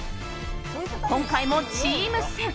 今回もチーム戦。